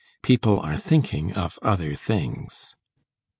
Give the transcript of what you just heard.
People are thinking of other things.